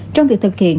trong việc thực hiện